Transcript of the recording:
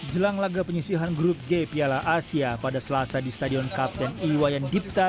jelang laga penyisihan grup g piala asia pada selasa di stadion kapten iwayan dipta